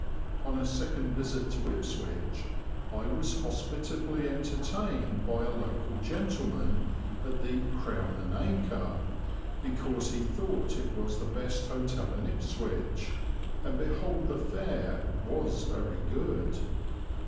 On a second visit to Ipswich I was hospitably entertained by a local gentleman at the "Crown and Anchor," because he thought it was the best hotel in Ipswich, and behold the fare was very good!